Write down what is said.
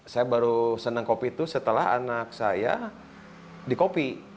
saya baru senang kopi itu setelah anak saya di kopi